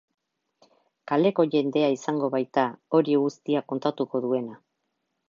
Kaleko jendea izango baita, hori guztia kontatuko duena.